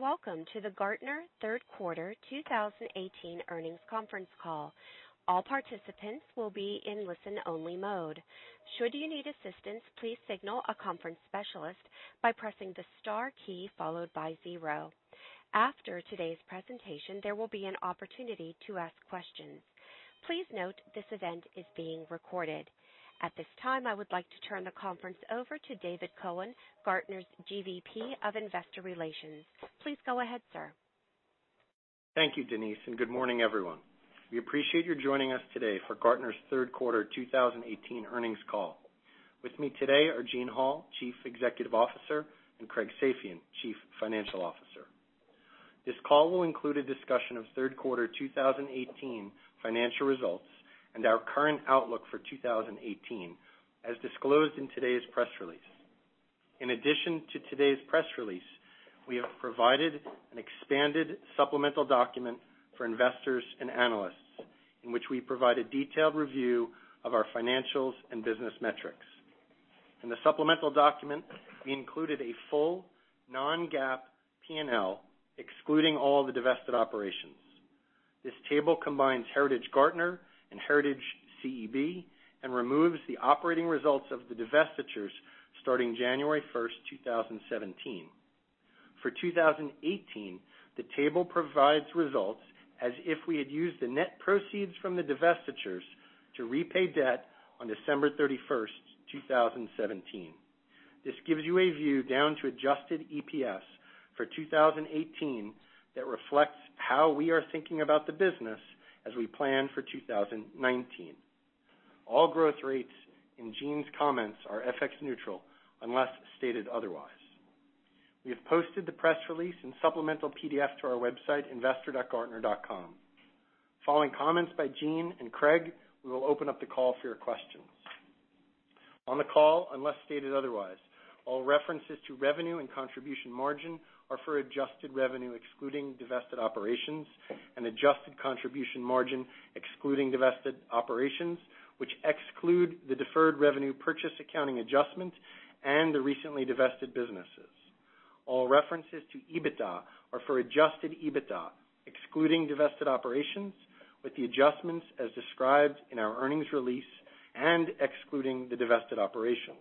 Welcome to the Gartner third quarter 2018 earnings conference call. All participants will be in listen-only mode. Should you need assistance, please signal a conference specialist by pressing the star key followed by zero. After today's presentation, there will be an opportunity to ask questions. Please note this event is being recorded. At this time, I would like to turn the conference over to David Cohen, Gartner's GVP of Investor Relations. Please go ahead, sir. Thank you, Denise. Good morning, everyone. We appreciate you joining us today for Gartner's third quarter 2018 earnings call. With me today are Gene Hall, Chief Executive Officer, and Craig Safian, Chief Financial Officer. This call will include a discussion of third quarter 2018 financial results and our current outlook for 2018, as disclosed in today's press release. In addition to today's press release, we have provided an expanded supplemental document for investors and analysts in which we provide a detailed review of our financials and business metrics. In the supplemental document, we included a full non-GAAP P&L, excluding all the divested operations. This table combines heritage Gartner and heritage CEB and removes the operating results of the divestitures starting January 1st, 2017. For 2018, the table provides results as if we had used the net proceeds from the divestitures to repay debt on December 31st, 2017. This gives you a view down to adjusted EPS for 2018 that reflects how we are thinking about the business as we plan for 2019. All growth rates in Gene's comments are FX neutral unless stated otherwise. We have posted the press release and supplemental PDF to our website, investor.gartner.com. Following comments by Gene and Craig, we will open up the call for your questions. On the call, unless stated otherwise, all references to revenue and contribution margin are for adjusted revenue excluding divested operations and adjusted contribution margin excluding divested operations, which exclude the deferred revenue purchase accounting adjustment and the recently divested businesses. All references to EBITDA are for adjusted EBITDA, excluding divested operations, with the adjustments as described in our earnings release and excluding the divested operations.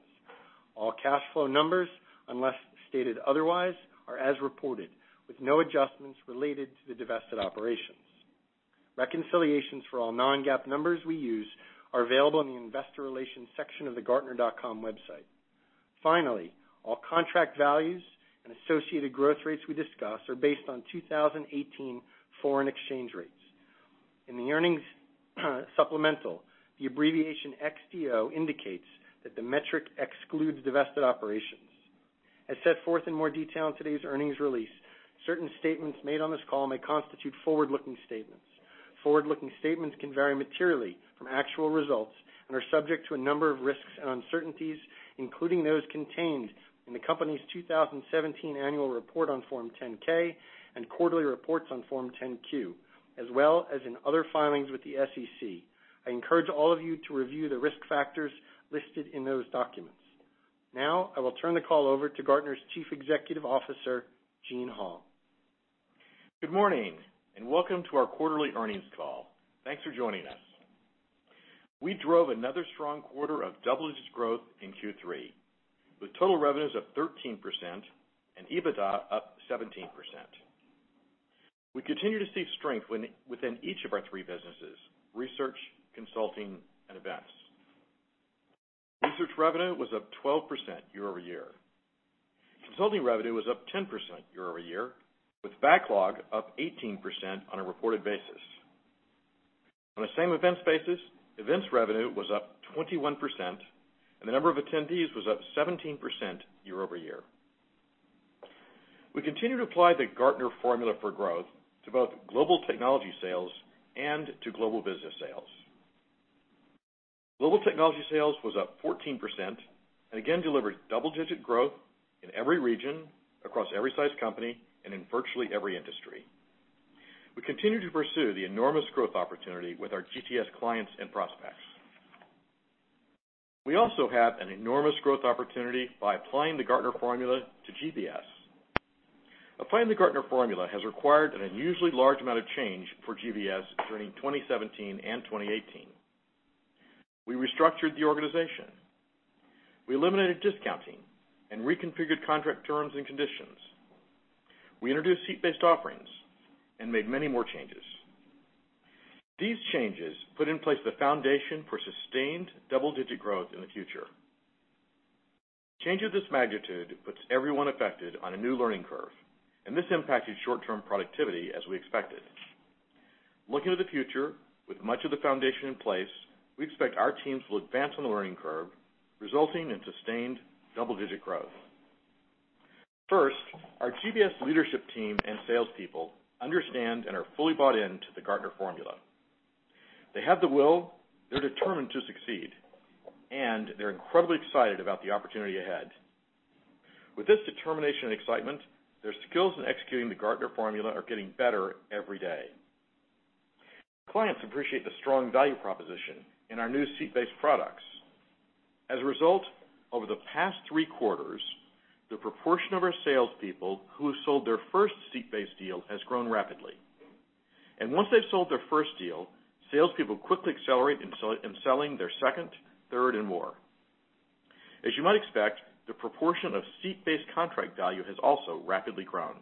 All cash flow numbers, unless stated otherwise, are as reported, with no adjustments related to the divested operations. Reconciliations for all non-GAAP numbers we use are available in the Investor Relations section of the gartner.com website. All contract values and associated growth rates we discuss are based on 2018 foreign exchange rates. In the earnings supplemental, the abbreviation XDO indicates that the metric excludes divested operations. As set forth in more detail in today's earnings release, certain statements made on this call may constitute forward-looking statements. Forward-looking statements can vary materially from actual results and are subject to a number of risks and uncertainties, including those contained in the company's 2017 annual report on Form 10-K and quarterly reports on Form 10-Q, as well as in other filings with the SEC. I encourage all of you to review the risk factors listed in those documents. I will turn the call over to Gartner's Chief Executive Officer, Gene Hall. Good morning, welcome to our quarterly earnings call. Thanks for joining us. We drove another strong quarter of double-digit growth in Q3, with total revenues up 13% and EBITDA up 17%. We continue to see strength within each of our three businesses, research, consulting, and events. Research revenue was up 12% year-over-year. Consulting revenue was up 10% year-over-year, with backlog up 18% on a reported basis. On the same events basis, events revenue was up 21%, and the number of attendees was up 17% year-over-year. We continue to apply the Gartner formula for growth to both Global Technology Sales and to Global Business Sales. Global Technology Sales was up 14% and again delivered double-digit growth in every region, across every size company, and in virtually every industry. We continue to pursue the enormous growth opportunity with our GTS clients and prospects. We also have an enormous growth opportunity by applying the Gartner formula to GBS. Applying the Gartner formula has required an unusually large amount of change for GBS during 2017 and 2018. We restructured the organization. We eliminated discounting and reconfigured contract terms and conditions. We introduced seat-based offerings and made many more changes. These changes put in place the foundation for sustained double-digit growth in the future. Change of this magnitude puts everyone affected on a new learning curve, and this impacted short-term productivity as we expected. Looking to the future with much of the foundation in place, we expect our teams will advance on the learning curve, resulting in sustained double-digit growth. First, our GBS leadership team and salespeople understand and are fully bought into the Gartner formula. They have the will, they're determined to succeed, and they're incredibly excited about the opportunity ahead. With this determination and excitement, their skills in executing the Gartner formula are getting better every day. Clients appreciate the strong value proposition in our new seat-based products. As a result, over the past three quarters, the proportion of our salespeople who have sold their first seat-based deal has grown rapidly. Once they've sold their first deal, salespeople quickly accelerate in selling their second, third, and more. As you might expect, the proportion of seat-based contract value has also rapidly grown.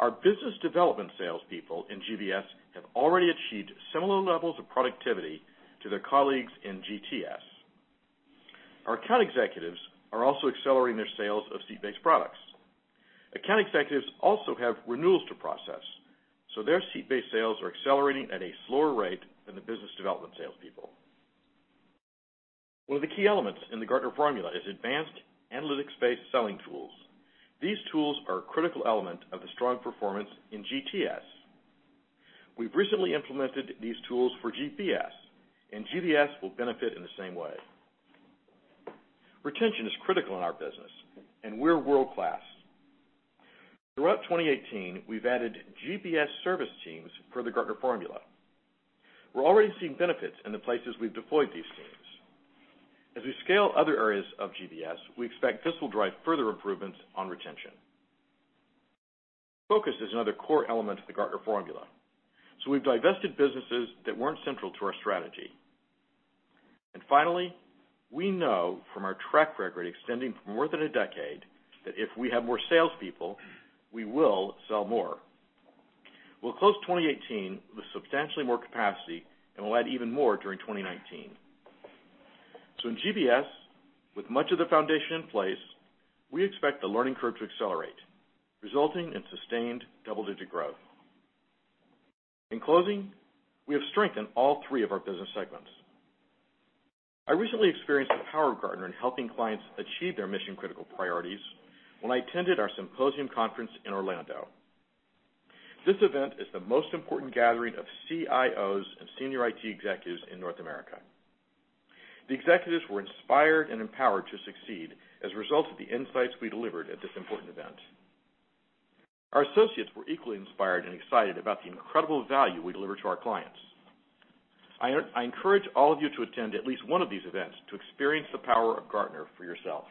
Our business development salespeople in GBS have already achieved similar levels of productivity to their colleagues in GTS. Our account executives are also accelerating their sales of seat-based products. Account executives also have renewals to process, so their seat-based sales are accelerating at a slower rate than the business development salespeople. One of the key elements in the Gartner formula is advanced analytics-based selling tools. These tools are a critical element of the strong performance in GTS. We've recently implemented these tools for GTS, and GBS will benefit in the same way. Retention is critical in our business, and we're world-class. Throughout 2018, we've added GTS service teams for the Gartner formula. We're already seeing benefits in the places we've deployed these teams. As we scale other areas of GBS, we expect this will drive further improvements on retention. Focus is another core element of the Gartner formula. We've divested businesses that weren't central to our strategy. Finally, we know from our track record extending for more than a decade, that if we have more salespeople, we will sell more. We'll close 2018 with substantially more capacity, and we'll add even more during 2019. In GBS, with much of the foundation in place, we expect the learning curve to accelerate, resulting in sustained double-digit growth. In closing, we have strength in all three of our business segments. I recently experienced the power of Gartner in helping clients achieve their mission-critical priorities when I attended our Symposium conference in Orlando. This event is the most important gathering of CIOs and senior IT executives in North America. The executives were inspired and empowered to succeed as a result of the insights we delivered at this important event. Our associates were equally inspired and excited about the incredible value we deliver to our clients. I encourage all of you to attend at least one of these events to experience the power of Gartner for yourself.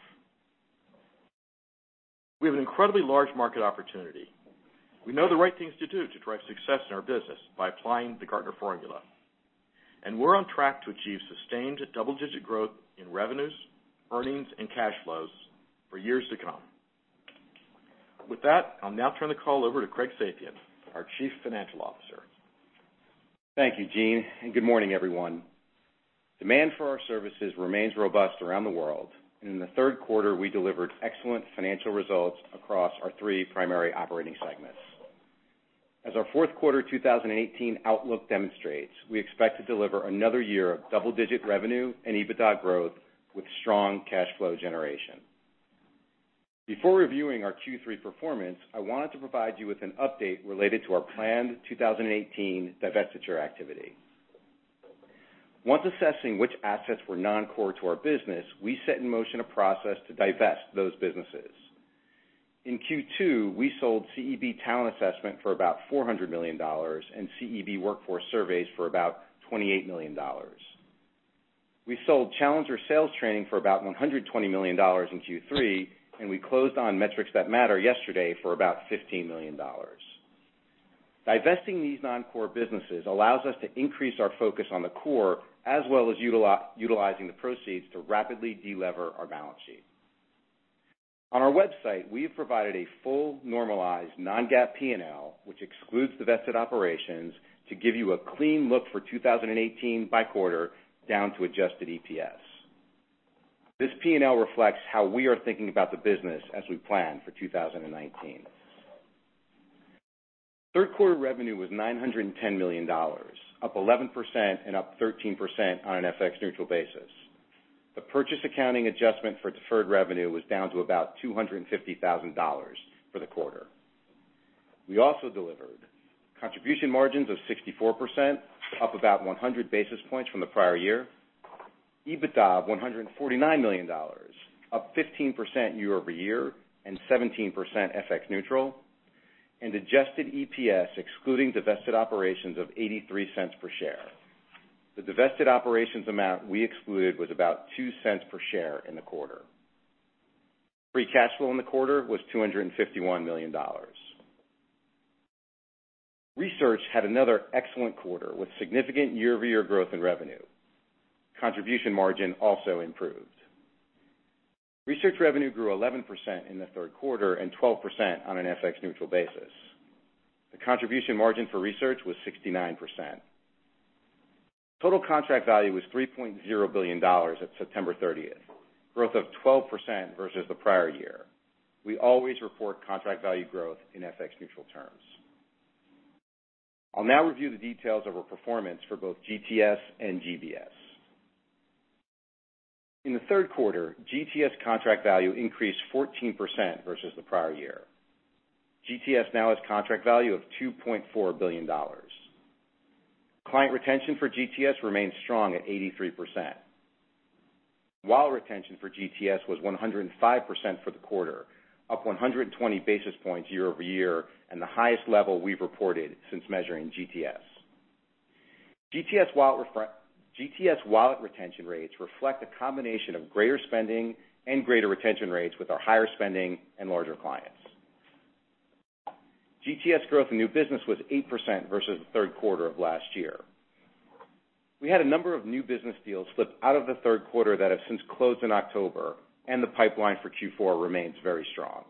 We have an incredibly large market opportunity. We know the right things to do to drive success in our business by applying the Gartner Formula. We're on track to achieve sustained double-digit growth in revenues, earnings, and cash flows for years to come. With that, I'll now turn the call over to Craig Safian, our Chief Financial Officer. Thank you, Gene, and good morning, everyone. Demand for our services remains robust around the world. In the third quarter, we delivered excellent financial results across our three primary operating segments. As our fourth quarter 2018 outlook demonstrates, we expect to deliver another year of double-digit revenue and EBITDA growth with strong cash flow generation. Before reviewing our Q3 performance, I wanted to provide you with an update related to our planned 2018 divestiture activity. Once assessing which assets were non-core to our business, we set in motion a process to divest those businesses. In Q2, we sold CEB Talent Assessment for about $400 million and CEB Workforce Surveys for about $28 million. We sold Challenger Sales Training for about $120 million in Q3, and we closed on Metrics That Matter yesterday for about $15 million. Divesting these non-core businesses allows us to increase our focus on the core, as well as utilizing the proceeds to rapidly de-lever our balance sheet. On our website, we have provided a full normalized non-GAAP P&L, which excludes divested operations to give you a clean look for 2018 by quarter down to adjusted EPS. This P&L reflects how we are thinking about the business as we plan for 2019. Third quarter revenue was $910 million, up 11% and up 13% on an FX neutral basis. The purchase accounting adjustment for deferred revenue was down to about $250,000 for the quarter. We also delivered contribution margins of 64%, up about 100 basis points from the prior year. EBITDA of $149 million, up 15% year-over-year and 17% FX neutral, and adjusted EPS excluding divested operations of $0.83 per share. The divested operations amount we excluded was about $0.02 per share in the quarter. Free cash flow in the quarter was $251 million. Research had another excellent quarter with significant year-over-year growth in revenue. Contribution margin also improved. Research revenue grew 11% in the third quarter and 12% on an FX neutral basis. The contribution margin for research was 69%. Total contract value was $3.0 billion at September 30th, growth of 12% versus the prior year. We always report contract value growth in FX neutral terms. I'll now review the details of our performance for both GTS and GBS. In the third quarter, GTS contract value increased 14% versus the prior year. GTS now has contract value of $2.4 billion. Client retention for GTS remains strong at 83%. Wallet retention for GTS was 105% for the quarter, up 120 basis points year-over-year, and the highest level we've reported since measuring GTS. GTS wallet retention rates reflect a combination of greater spending and greater retention rates with our higher spending and larger clients. GTS growth in new business was 8% versus the third quarter of last year. We had a number of new business deals slip out of the third quarter that have since closed in October, and the pipeline for Q4 remains very strong.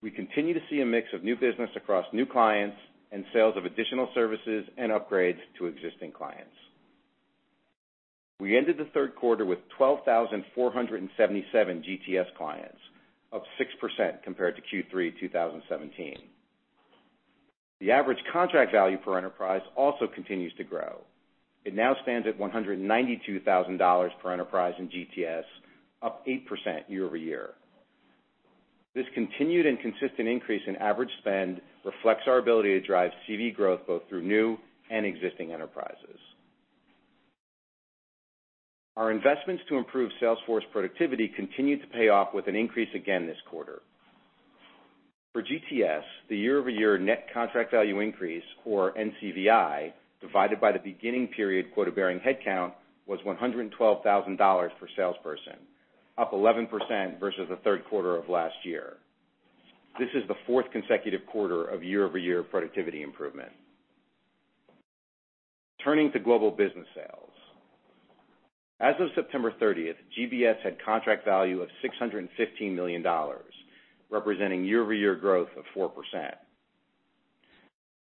We continue to see a mix of new business across new clients and sales of additional services and upgrades to existing clients. We ended the third quarter with 12,477 GTS clients, up 6% compared to Q3, 2017. The average contract value per enterprise also continues to grow. It now stands at $192,000 per enterprise in GTS, up 8% year-over-year. This continued and consistent increase in average spend reflects our ability to drive CV growth both through new and existing enterprises. Our investments to improve sales force productivity continued to pay off with an increase again this quarter. For GTS, the year-over-year net contract value increase, or NCVI, divided by the beginning period quota-bearing headcount was $112,000 per salesperson, up 11% versus the third quarter of last year. This is the fourth consecutive quarter of year-over-year productivity improvement. Turning to Global Business Sales. As of September 30th, GBS had contract value of $615 million, representing year-over-year growth of 4%.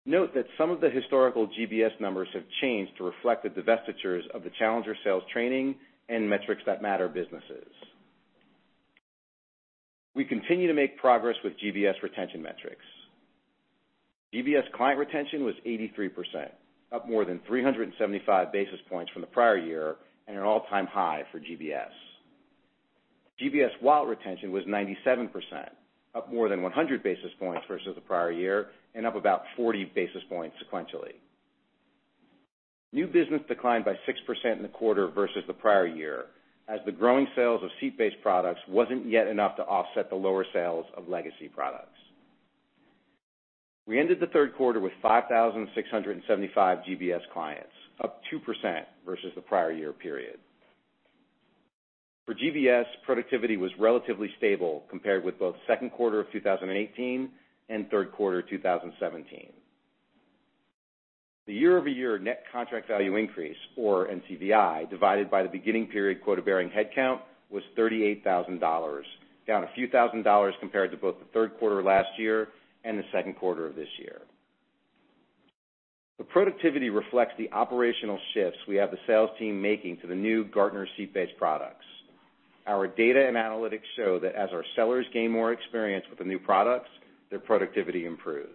Note that some of the historical GBS numbers have changed to reflect the divestitures of the Challenger Sales Training and Metrics That Matter businesses. We continue to make progress with GBS retention metrics. GBS client retention was 83%, up more than 375 basis points from the prior year, and an all-time high for GBS. GBS wallet retention was 97%, up more than 100 basis points versus the prior year, and up about 40 basis points sequentially. New business declined by 6% in the quarter versus the prior year, as the growing sales of seat-based products wasn't yet enough to offset the lower sales of legacy products. We ended the third quarter with 5,675 GBS clients, up 2% versus the prior year period. For GBS, productivity was relatively stable compared with both second quarter of 2018 and third quarter 2017. The year-over-year net contract value increase, or NCVI, divided by the beginning period quota-bearing headcount was $38,000, down a few thousand dollars compared to both the third quarter last year and the second quarter of this year. The productivity reflects the operational shifts we have the sales team making to the new Gartner seat-based products. Our data and analytics show that as our sellers gain more experience with the new products, their productivity improves.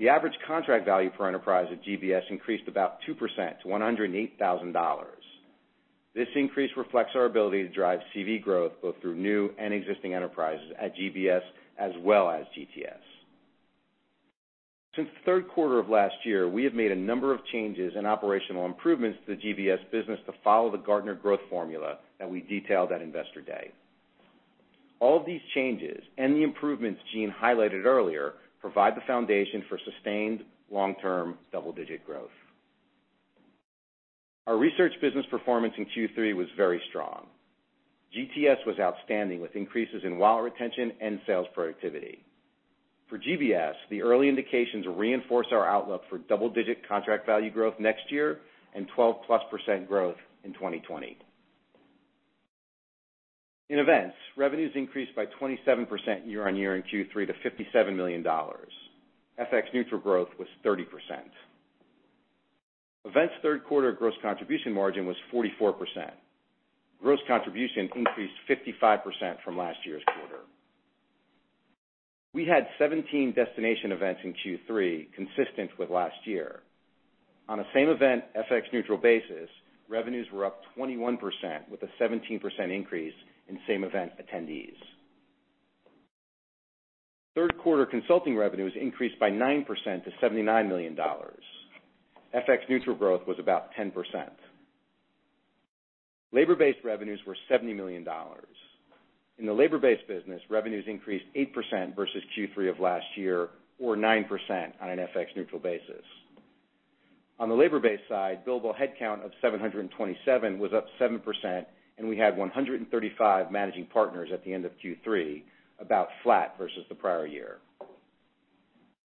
The average contract value per enterprise at GBS increased about 2% to $108,000. This increase reflects our ability to drive CV growth both through new and existing enterprises at GBS as well as GTS. Since the third quarter of last year, we have made a number of changes and operational improvements to the GBS business to follow the Gartner growth formula that we detailed at Investor Day. All of these changes and the improvements Gene highlighted earlier provide the foundation for sustained long-term double-digit growth. Our research business performance in Q3 was very strong. GTS was outstanding, with increases in wallet retention and sales productivity. For GBS, the early indications reinforce our outlook for double-digit contract value growth next year and 12%+ growth in 2020. In events, revenues increased by 27% year-on-year in Q3 to $57 million. FX neutral growth was 30%. Events third quarter gross contribution margin was 44%. Gross contribution increased 55% from last year's quarter. We had 17 destination events in Q3, consistent with last year. On a same event FX neutral basis, revenues were up 21%, with a 17% increase in same event attendees. Third quarter consulting revenues increased by 9% to $79 million. FX neutral growth was about 10%. Labor-based revenues were $70 million. In the labor-based business, revenues increased 8% versus Q3 of last year, or 9% on an FX neutral basis. On the labor-based side, billable headcount of 727 was up 7%, and we had 135 managing partners at the end of Q3, about flat versus the prior year.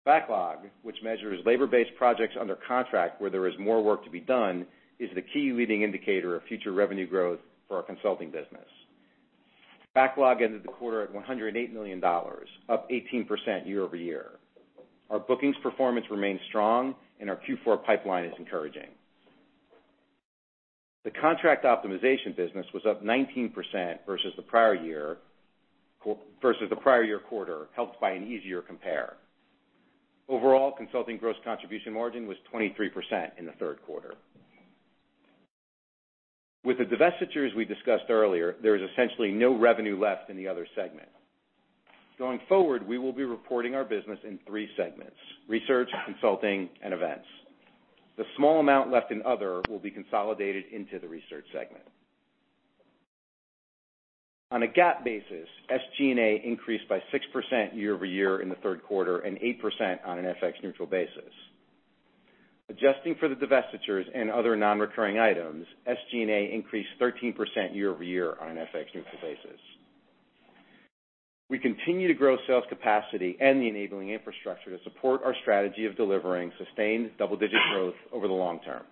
Backlog, which measures labor-based projects under contract where there is more work to be done, is the key leading indicator of future revenue growth for our consulting business. Backlog ended the quarter at $108 million, up 18% year-over-year. Our bookings performance remains strong and our Q4 pipeline is encouraging. The contract optimization business was up 19% versus the prior year quarter, helped by an easier compare. Overall consulting gross contribution margin was 23% in the third quarter. With the divestitures we discussed earlier, there is essentially no revenue left in the other segment. Going forward, we will be reporting our business in three segments: research, consulting, and events. The small amount left in other will be consolidated into the research segment. On a GAAP basis, SG&A increased by 6% year-over-year in the third quarter, and 8% on an FX neutral basis. Adjusting for the divestitures and other non-recurring items, SG&A increased 13% year-over-year on an FX neutral basis. We continue to grow sales capacity and the enabling infrastructure to support our strategy of delivering sustained double-digit growth over the long term.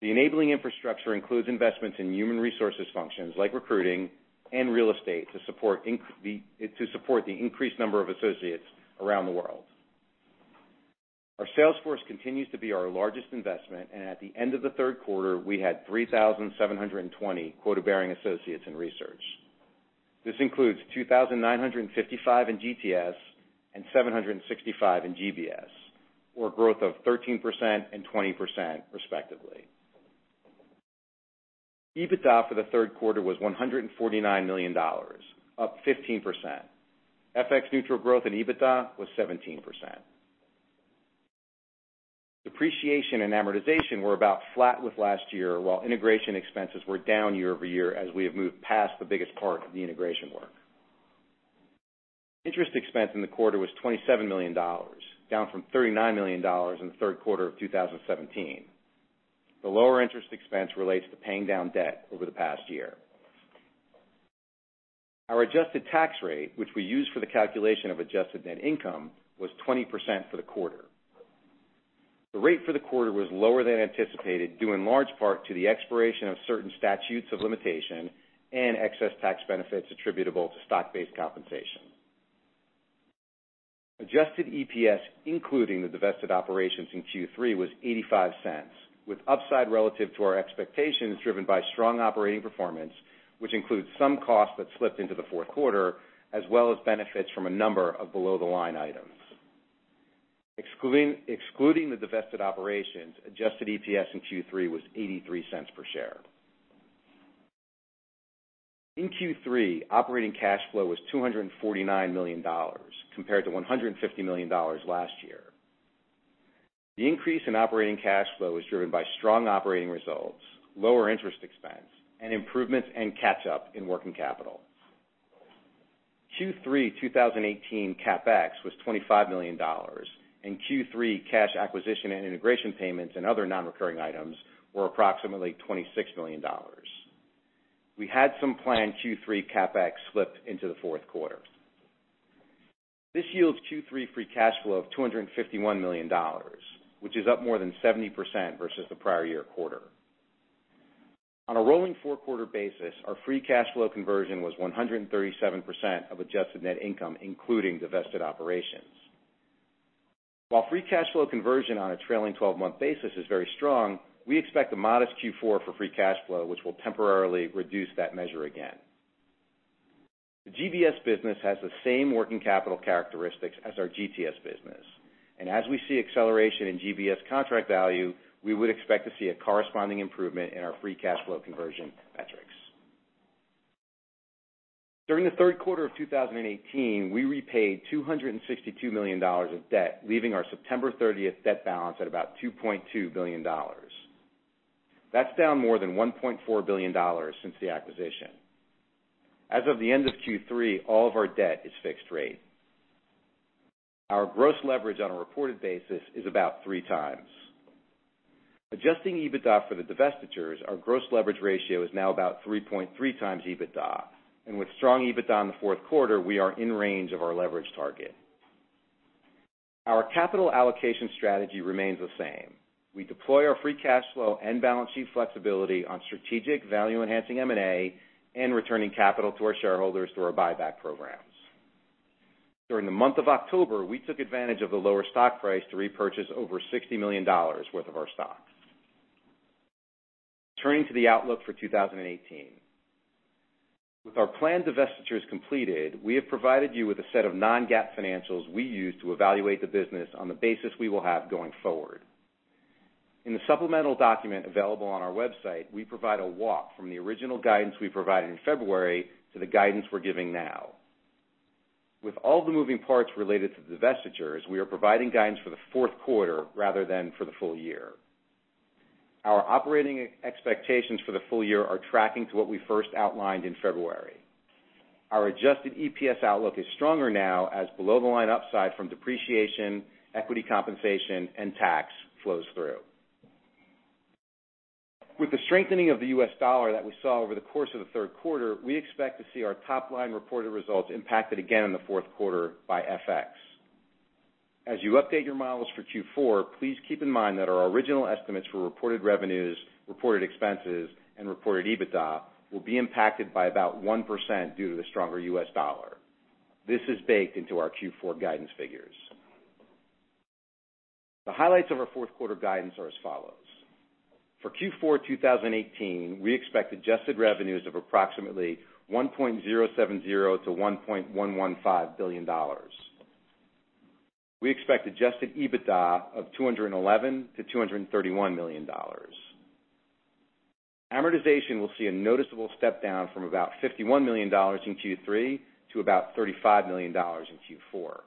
The enabling infrastructure includes investments in human resources functions, like recruiting and real estate to support the increased number of associates around the world. Our sales force continues to be our largest investment, and at the end of the third quarter, we had 3,720 quota-bearing associates in research. This includes 2,955 in GTS and 765 in GBS, or growth of 13% and 20% respectively. EBITDA for the third quarter was $149 million, up 15%. FX neutral growth in EBITDA was 17%. Depreciation and amortization were about flat with last year, while integration expenses were down year-over-year as we have moved past the biggest part of the integration work. Interest expense in the quarter was $27 million, down from $39 million in the third quarter of 2017. The lower interest expense relates to paying down debt over the past year. Our adjusted tax rate, which we use for the calculation of adjusted net income, was 20% for the quarter. The rate for the quarter was lower than anticipated, due in large part to the expiration of certain statutes of limitation and excess tax benefits attributable to stock-based compensation. Adjusted EPS, including the divested operations in Q3, was $0.85, with upside relative to our expectations driven by strong operating performance, which includes some costs that slipped into the fourth quarter, as well as benefits from a number of below the line items. Excluding the divested operations, adjusted EPS in Q3 was $0.83 per share. In Q3, operating cash flow was $249 million, compared to $150 million last year. The increase in operating cash flow is driven by strong operating results, lower interest expense, and improvements and catch-up in working capital. Q3 2018 CapEx was $25 million, and Q3 cash acquisition and integration payments and other non-recurring items were approximately $26 million. We had some planned Q3 CapEx slipped into the fourth quarter. This yields Q3 free cash flow of $251 million, which is up more than 70% versus the prior year quarter. On a rolling four-quarter basis, our free cash flow conversion was 137% of adjusted net income, including divested operations. While free cash flow conversion on a trailing 12-month basis is very strong, we expect a modest Q4 for free cash flow, which will temporarily reduce that measure again. As we see acceleration in GBS contract value, we would expect to see a corresponding improvement in our free cash flow conversion metrics. During the third quarter of 2018, we repaid $262 million of debt, leaving our September 30th debt balance at about $2.2 billion. That's down more than $1.4 billion since the acquisition. As of the end of Q3, all of our debt is fixed rate. Our gross leverage on a reported basis is about three times. Adjusting EBITDA for the divestitures, our gross leverage ratio is now about 3.3 times EBITDA. With strong EBITDA in the fourth quarter, we are in range of our leverage target. Our capital allocation strategy remains the same. We deploy our free cash flow and balance sheet flexibility on strategic value-enhancing M&A and returning capital to our shareholders through our buyback programs. During the month of October, we took advantage of the lower stock price to repurchase over $60 million worth of our stock. Turning to the outlook for 2018. With our planned divestitures completed, we have provided you with a set of non-GAAP financials we use to evaluate the business on the basis we will have going forward. In the supplemental document available on our website, we provide a walk from the original guidance we provided in February to the guidance we're giving now. With all the moving parts related to the divestitures, we are providing guidance for the fourth quarter rather than for the full year. Our operating expectations for the full year are tracking to what we first outlined in February. Our adjusted EPS outlook is stronger now as below the line upside from depreciation, equity compensation, and tax flows through. With the strengthening of the U.S. dollar that we saw over the course of the third quarter, we expect to see our top-line reported results impacted again in the fourth quarter by FX. As you update your models for Q4, please keep in mind that our original estimates for reported revenues, reported expenses, and reported EBITDA will be impacted by about 1% due to the stronger U.S. dollar. This is baked into our Q4 guidance figures. The highlights of our fourth quarter guidance are as follows: For Q4 2018, we expect adjusted revenues of approximately $1.070 billion-$1.115 billion. We expect adjusted EBITDA of $211 million-$231 million. Amortization will see a noticeable step down from about $51 million in Q3 to about $35 million in Q4.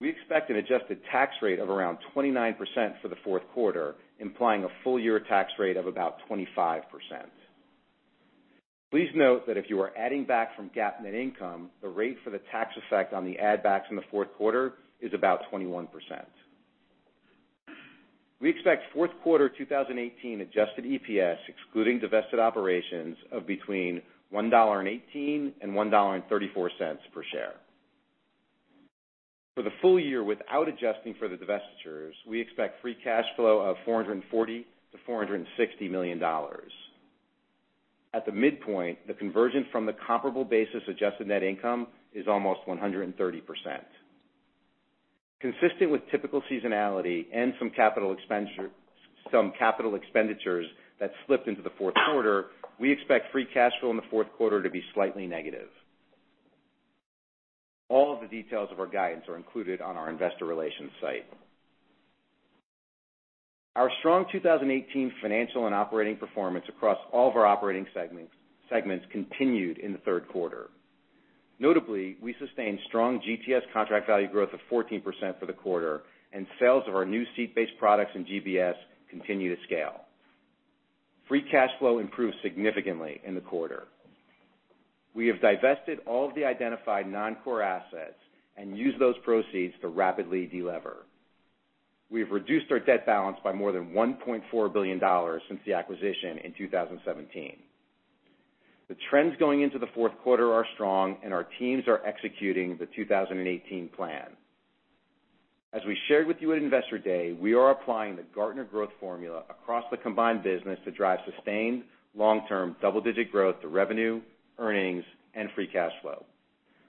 We expect an adjusted tax rate of around 29% for the fourth quarter, implying a full year tax rate of about 25%. Please note that if you are adding back from GAAP net income, the rate for the tax effect on the add backs in the fourth quarter is about 21%. We expect fourth quarter 2018 adjusted EPS, excluding divested operations, of between $1.18 and $1.34 per share. For the full year, without adjusting for the divestitures, we expect free cash flow of $440 million-$460 million. At the midpoint, the conversion from the comparable basis adjusted net income is almost 130%. Consistent with typical seasonality and some capital expenditures that slipped into the fourth quarter, we expect free cash flow in the fourth quarter to be slightly negative. All of the details of our guidance are included on our investor relations site. Our strong 2018 financial and operating performance across all of our operating segments continued in the third quarter. Notably, we sustained strong GTS contract value growth of 14% for the quarter, and sales of our new seat-based products in GBS continue to scale. Free cash flow improved significantly in the quarter. We have divested all of the identified non-core assets and used those proceeds to rapidly de-lever. We have reduced our debt balance by more than $1.4 billion since the acquisition in 2017. The trends going into the fourth quarter are strong. Our teams are executing the 2018 plan. As we shared with you at Investor Day, we are applying the Gartner Growth Formula across the combined business to drive sustained long-term double-digit growth to revenue, earnings, and free cash flow.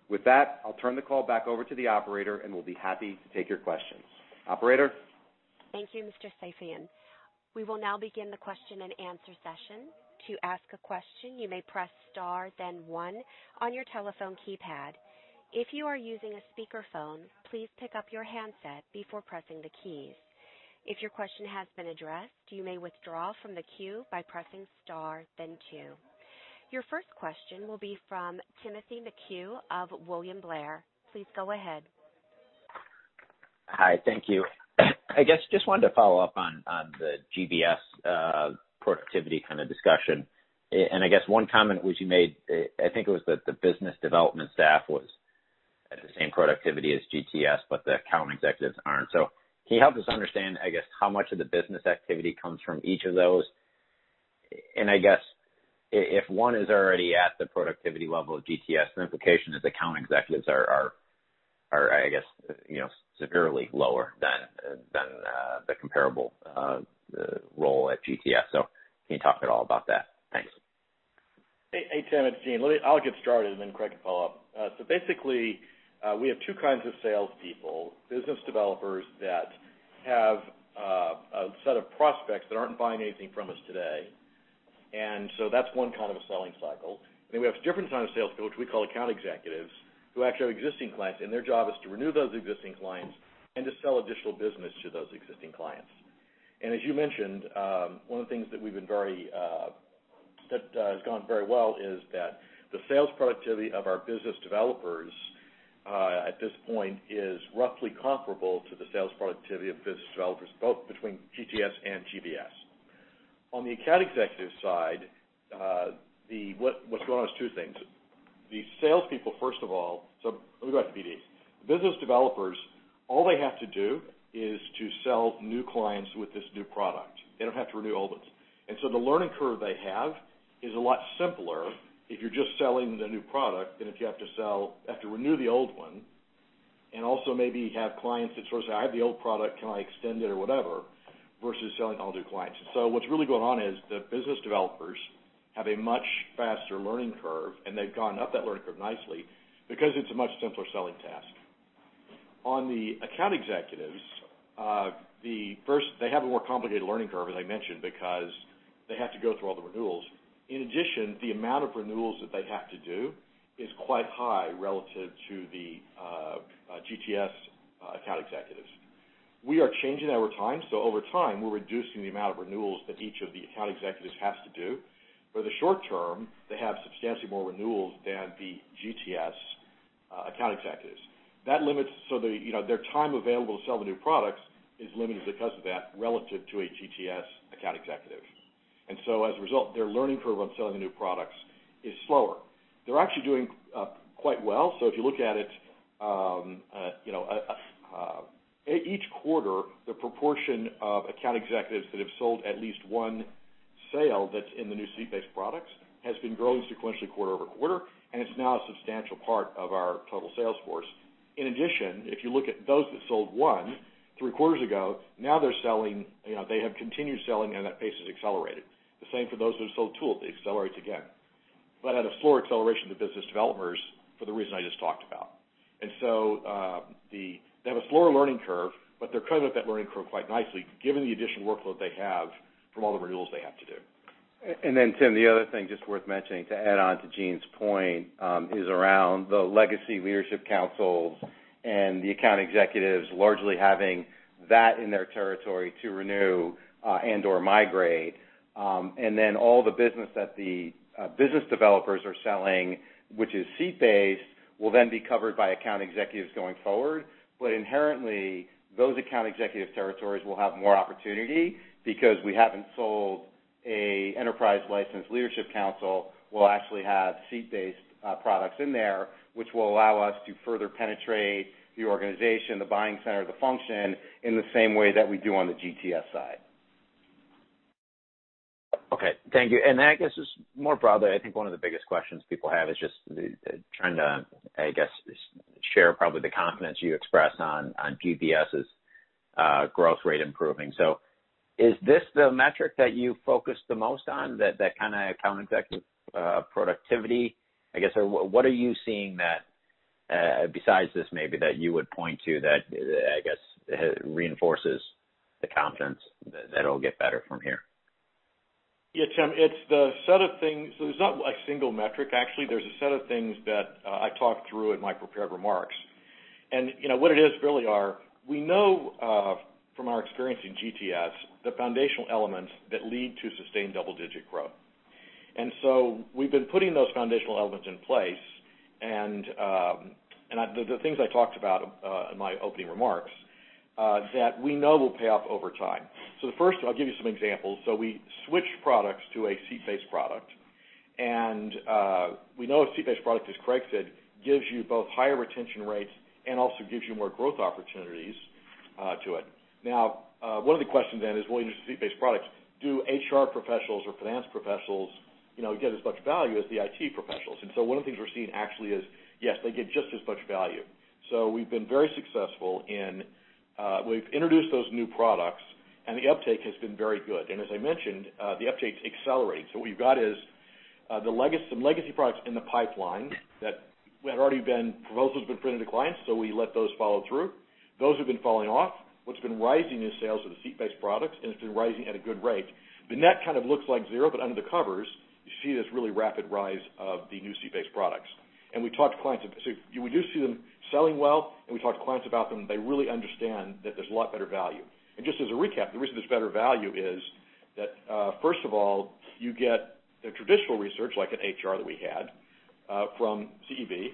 With that, I'll turn the call back over to the operator. We'll be happy to take your questions. Operator? Thank you, Mr. Safian. We will now begin the question and answer session. To ask a question, you may press star then one on your telephone keypad. If you are using a speakerphone, please pick up your handset before pressing the keys. If your question has been addressed, you may withdraw from the queue by pressing star then two. Your first question will be from Timothy McHugh of William Blair. Please go ahead. Hi, thank you. I guess, just wanted to follow up on the GBS productivity kind of discussion. I guess one comment which you made, I think it was that the business development staff was at the same productivity as GTS, the account executives aren't. Can you help us understand, I guess, how much of the business activity comes from each of those? I guess if one is already at the productivity level of GTS, then implication is account executives are, I guess, severely lower than the comparable role at GTS. Can you talk at all about that? Thanks. Hey, Tim. It's Gene. I'll get started, then Craig can follow up. Basically, we have two kinds of salespeople, business developers that have a set of prospects that aren't buying anything from us today, that's one kind of a selling cycle. We have a different kind of sales people, which we call account executives, who actually have existing clients, their job is to renew those existing clients and to sell additional business to those existing clients. As you mentioned, one of the things that has gone very well is that the sales productivity of our business developers, at this point, is roughly comparable to the sales productivity of business developers, both between GTS and GBS. On the account executive side, what's going on is two things. These salespeople, Let me go back to BD. Business developers, all they have to do is to sell new clients with this new product. They don't have to renew old ones. The learning curve they have is a lot simpler if you're just selling the new product than if you have to renew the old one, also maybe have clients that sort of say, "I have the old product, can I extend it?" Whatever, versus selling all new clients. What's really going on is the business developers have a much faster learning curve, they've gone up that learning curve nicely because it's a much simpler selling task. On the account executives, they have a more complicated learning curve, as I mentioned, because they have to go through all the renewals. In addition, the amount of renewals that they have to do is quite high relative to the GTS account executives. We are changing that over time, over time, we're reducing the amount of renewals that each of the account executives has to do. For the short term, they have substantially more renewals than the GTS account executives. Their time available to sell the new products is limited because of that, relative to a GTS account executive. As a result, their learning curve on selling the new products is slower. They're actually doing quite well. If you look at it, each quarter, the proportion of account executives that have sold at least one sale that's in the new seat-based products has been growing sequentially quarter-over-quarter, and it's now a substantial part of our total sales force. In addition, if you look at those that sold one three quarters ago, now they have continued selling, and that pace has accelerated. The same for those that have sold two, it accelerates again. At a slower acceleration than business developers for the reason I just talked about. They have a slower learning curve, but they're coming up that learning curve quite nicely given the additional workload they have from all the renewals they have to do. Tim, the other thing just worth mentioning to add on to Gene's point, is around the legacy leadership councils and the account executives largely having that in their territory to renew and/or migrate. All the business that the business developers are selling, which is seat-based, will then be covered by account executives going forward. Inherently, those account executive territories will have more opportunity because we haven't sold an enterprise license leadership council. We'll actually have seat-based products in there, which will allow us to further penetrate the organization, the buying center, the function, in the same way that we do on the GTS side. Okay. Thank you. I guess just more broadly, I think one of the biggest questions people have is just trying to share probably the confidence you expressed on GBS's growth rate improving. Is this the metric that you focus the most on, that kind of account executive productivity? I guess, what are you seeing that, besides this maybe, that you would point to that reinforces the confidence that it'll get better from here? Tim, it's the set of things. There's not a single metric, actually. There's a set of things that I talked through in my prepared remarks. What it is really are, we know from our experience in GTS, the foundational elements that lead to sustained double-digit growth. We've been putting those foundational elements in place, and the things I talked about in my opening remarks, that we know will pay off over time. First, I'll give you some examples. We switched products to a seat-based product. We know a seat-based product, as Craig said, gives you both higher retention rates and also gives you more growth opportunities to it. One of the questions is when you introduce seat-based products, do HR professionals or finance professionals get as much value as the IT professionals? One of the things we're seeing actually is, yes, they get just as much value. We've been very successful, we've introduced those new products, and the uptake has been very good. As I mentioned, the uptake's accelerating. What we've got is some legacy products in the pipeline that proposals have been printed to clients, we let those follow through. Those have been falling off. What's been rising is sales of the seat-based products, and it's been rising at a good rate. The net kind of looks like zero, but under the covers, you see this really rapid rise of the new seat-based products. We talk to clients, we do see them selling well, and we talk to clients about them. They really understand that there's a lot better value. Just as a recap, the reason it's better value is that, first of all, you get the traditional research, like an HR that we had from CEB,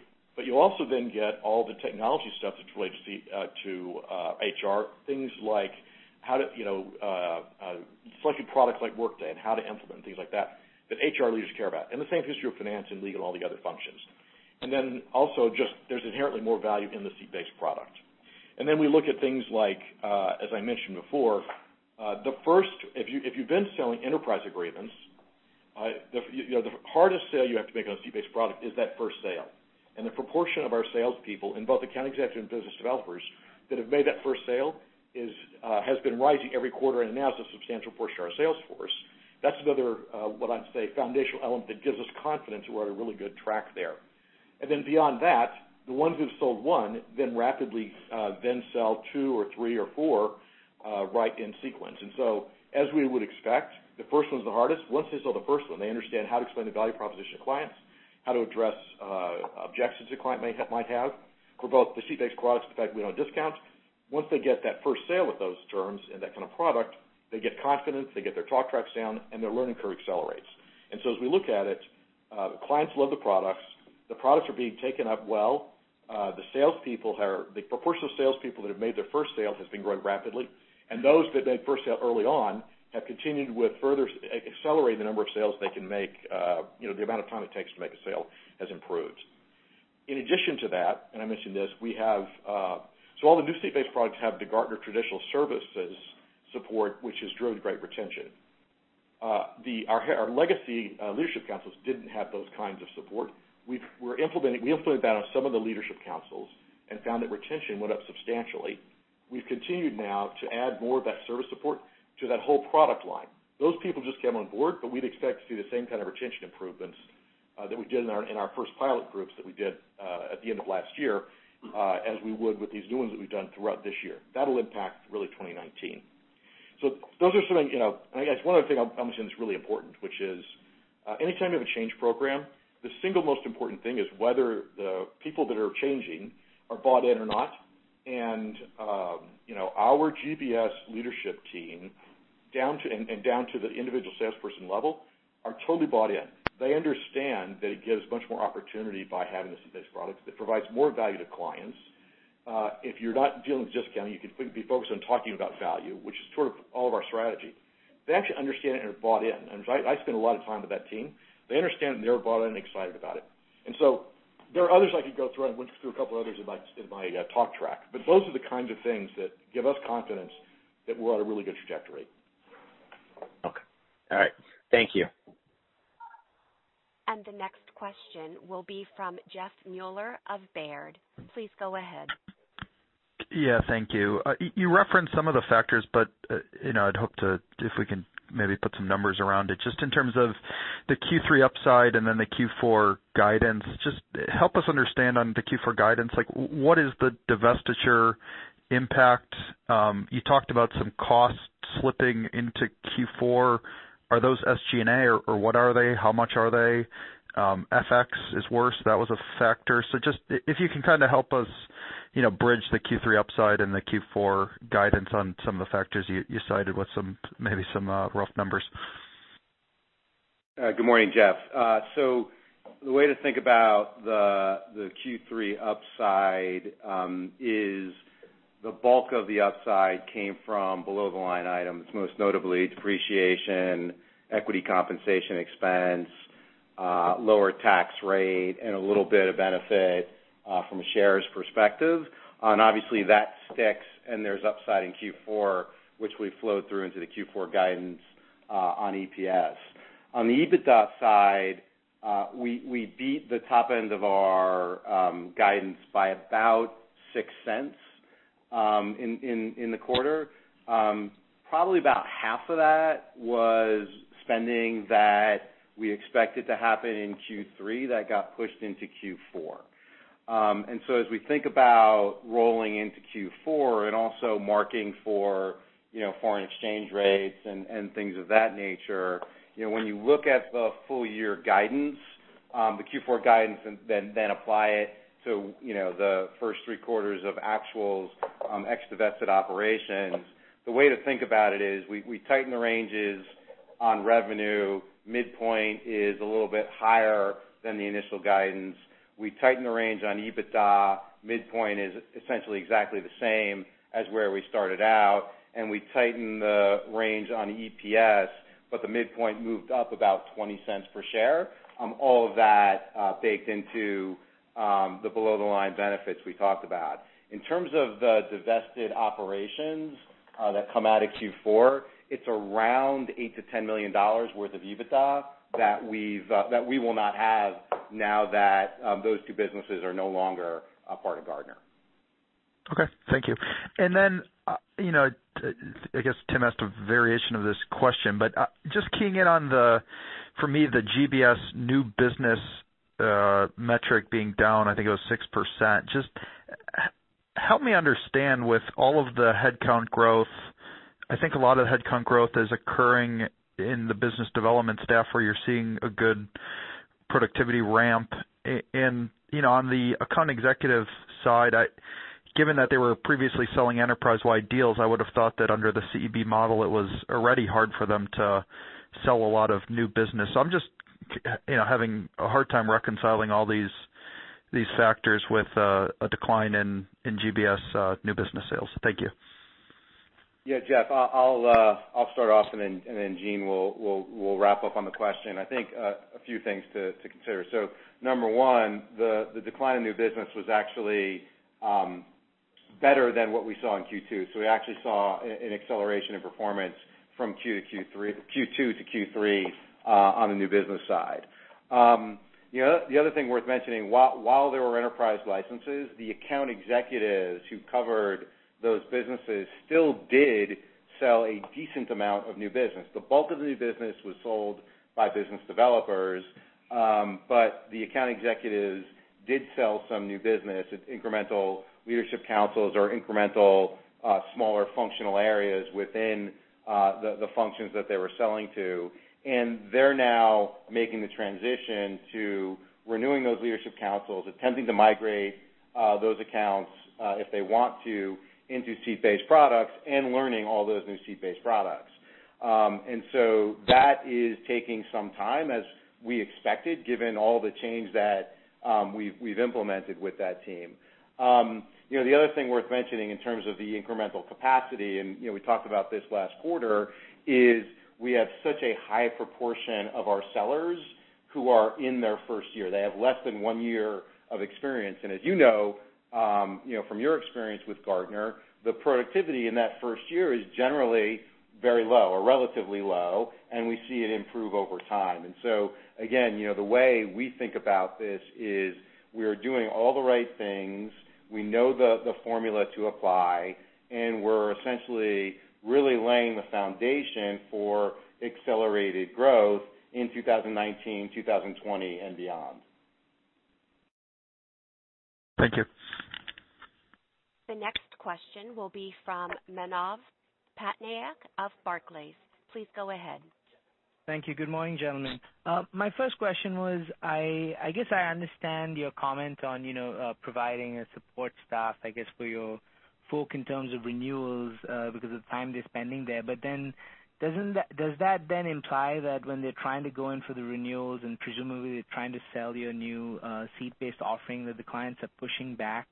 you also get all the technology stuff that relates to HR. Things like selecting products like Workday, and how to implement and things like that HR leaders care about. The same is true of finance and legal and all the other functions. There's inherently more value in the seat-based product. We look at things like, as I mentioned before, if you've been selling enterprise agreements, the hardest sale you have to make on a seat-based product is that first sale. The proportion of our salespeople in both account executive and business developers that have made that first sale has been rising every quarter, and now it's a substantial portion of our sales force. That's another, what I'd say, foundational element that gives us confidence we're at a really good track there. Beyond that, the ones who've sold one rapidly sell two or three or four, right in sequence. As we would expect, the first one's the hardest. Once they sell the first one, they understand how to explain the value proposition to clients, how to address objections a client might have for both the seat-based products and the fact we don't discount. Once they get that first sale with those terms and that kind of product, they get confidence, they get their talk tracks down, and their learning curve accelerates. As we look at it, the clients love the products. The products are being taken up well. The proportion of salespeople that have made their first sale has been growing rapidly. Those that made the first sale early on have continued with further accelerating the number of sales they can make. The amount of time it takes to make a sale has improved. In addition to that, I mentioned this, all the new seat-based products have the Gartner traditional services support, which has driven great retention. Our legacy leadership councils didn't have those kinds of support. We implemented that on some of the leadership councils and found that retention went up substantially. We've continued now to add more of that service support to that whole product line. Those people just came on board, we'd expect to see the same kind of retention improvements that we did in our first pilot groups that we did at the end of last year, as we would with these new ones that we've done throughout this year. That'll impact really 2019. Those are some things. I guess one other thing I'll mention that's really important, which is, anytime you have a change program, the single most important thing is whether the people that are changing are bought in or not. Our GBS leadership team, and down to the individual salesperson level, are totally bought in. They understand that it gives much more opportunity by having the seat-based products. It provides more value to clients. If you're not dealing with discounting, you can be focused on talking about value, which is sort of all of our strategy. They actually understand it and are bought in. I spend a lot of time with that team. They understand, and they're bought in and excited about it. There are others I could go through, and I went through a couple others in my talk track. Those are the kinds of things that give us confidence that we're on a really good trajectory. Okay. All right. Thank you. The next question will be from Jeff Meuler of Baird. Please go ahead. Yeah, thank you. You referenced some of the factors, but I'd hope to, if we can maybe put some numbers around it, just in terms of the Q3 upside and then the Q4 guidance, just help us understand on the Q4 guidance, what is the divestiture impact? You talked about some costs slipping into Q4. Are those SG&A or what are they? How much are they? FX is worse, that was a factor. Just if you can kind of help us bridge the Q3 upside and the Q4 guidance on some of the factors you cited with maybe some rough numbers. Good morning, Jeff. The way to think about the Q3 upside is the bulk of the upside came from below-the-line items, most notably depreciation, equity compensation expense, lower tax rate, and a little bit of benefit from a shares perspective. And obviously that sticks and there's upside in Q4, which we flowed through into the Q4 guidance on EPS. On the EBITDA side, we beat the top end of our guidance by about $0.06 in the quarter. Probably about half of that was spending that we expected to happen in Q3 that got pushed into Q4. As we think about rolling into Q4 and also marking for foreign exchange rates and things of that nature, when you look at the full year guidance, the Q4 guidance, and then apply it to the first three quarters of actuals ex-divested operations, the way to think about it is we tighten the ranges on revenue. Midpoint is a little bit higher than the initial guidance. We tighten the range on EBITDA. Midpoint is essentially exactly the same as where we started out, and we tightened the range on EPS, but the midpoint moved up about $0.20 per share. All of that baked into the below-the-line benefits we talked about. In terms of the divested operations that come out of Q4, it's around $8 million-$10 million worth of EBITDA that we will not have now that those two businesses are no longer a part of Gartner. Okay. Thank you. I guess Tim asked a variation of this question, just keying in on the, for me, the GBS new business metric being down, I think it was 6%. Just help me understand with all of the headcount growth, I think a lot of the headcount growth is occurring in the business development staff where you're seeing a good productivity ramp. On the account executive side, given that they were previously selling enterprise-wide deals, I would've thought that under the CEB model, it was already hard for them to sell a lot of new business. I'm just having a hard time reconciling all these factors with a decline in GBS new business sales. Thank you. Yeah, Jeff, I'll start off. Gene will wrap up on the question. I think a few things to consider. Number one, the decline in new business was actually better than what we saw in Q2. We actually saw an acceleration in performance from Q2 to Q3 on the new business side. The other thing worth mentioning, while there were enterprise licenses, the account executives who covered those businesses still did sell a decent amount of new business. The bulk of the new business was sold by business developers, but the account executives did sell some new business, it's incremental leadership councils or incremental smaller functional areas within the functions that they were selling to. They're now making the transition to renewing those leadership councils, attempting to migrate those accounts, if they want to, into seat-based products and learning all those new seat-based products. That is taking some time as we expected, given all the change that we've implemented with that team. The other thing worth mentioning in terms of the incremental capacity, we talked about this last quarter, is we have such a high proportion of our sellers who are in their first year. They have less than one year of experience. As you know from your experience with Gartner, the productivity in that first year is generally very low or relatively low, we see it improve over time. Again, the way we think about this is we are doing all the right things. We know the formula to apply, we're essentially really laying the foundation for accelerated growth in 2019, 2020 and beyond. Thank you. The next question will be from Manav Patnaik of Barclays. Please go ahead. Thank you. Good morning, gentlemen. My first question was, I guess I understand your comment on providing a support staff, I guess, for your folk in terms of renewals, because of the time they're spending there. Does that imply that when they're trying to go in for the renewals and presumably they're trying to sell your new seat-based offering, that the clients are pushing back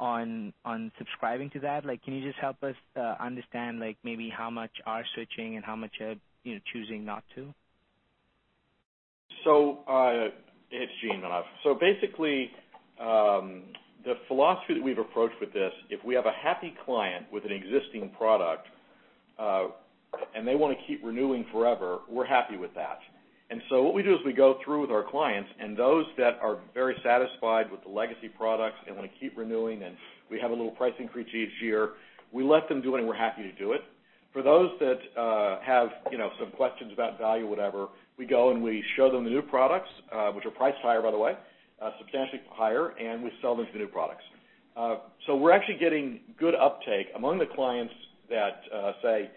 on subscribing to that? Can you just help us understand maybe how much are switching and how much are choosing not to? It's Gene, Manav. Basically, the philosophy that we've approached with this, if we have a happy client with an existing product They want to keep renewing forever. We're happy with that. What we do is we go through with our clients, and those that are very satisfied with the legacy products and want to keep renewing, and we have a little pricing increase each year, we let them do it, and we're happy to do it. For those that have some questions about value, whatever, we go and we show them the new products, which are priced higher, by the way, substantially higher, and we sell them the new products. We're actually getting good uptake among the clients that say,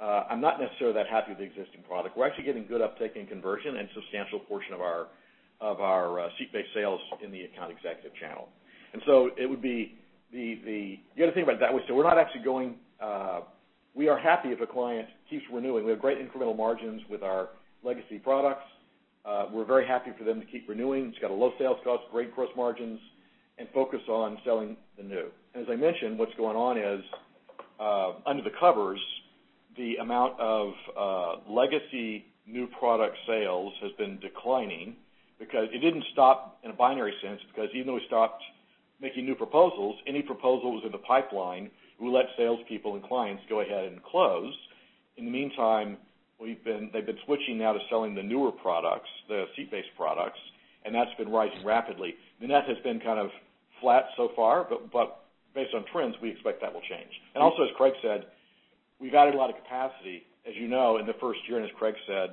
"I'm not necessarily that happy with the existing product." We're actually getting good uptake in conversion and a substantial portion of our seat-based sales in the account executive channel. You've got to think about it that way. We are happy if a client keeps renewing. We have great incremental margins with our legacy products. We're very happy for them to keep renewing. It's got a low sales cost, great gross margins, and focus on selling the new. As I mentioned, what's going on is, under the covers, the amount of legacy new product sales has been declining. It didn't stop in a binary sense, because even though we stopped making new proposals, any proposals in the pipeline, we let salespeople and clients go ahead and close. In the meantime, they've been switching now to selling the newer products, the seat-based products, and that's been rising rapidly. The net has been kind of flat so far, based on trends, we expect that will change. Also, as Craig said, we've added a lot of capacity, as you know, in the first year. As Craig said,